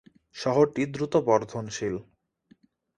শহরটি দ্রুত বর্ধনশীল।